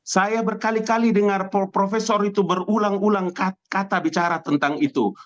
saya berkali kali dengar profesor itu berulang ulang kata bicara tentang itu